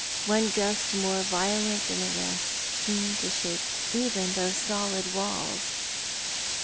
One gust more violent than the rest seemed to shake even those solid walls.